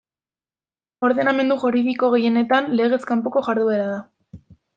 Ordenamendu juridiko gehienetan legez kanpoko jarduera da.